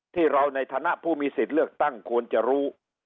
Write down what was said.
ในฐานะผู้มีสิทธิ์เลือกตั้งควรจะรู้